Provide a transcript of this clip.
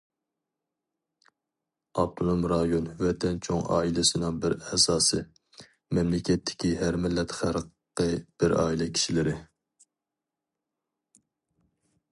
ئاپتونوم رايون ۋەتەن چوڭ ئائىلىسىنىڭ بىر ئەزاسى، مەملىكەتتىكى ھەر مىللەت خەلقى بىر ئائىلە كىشىلىرى.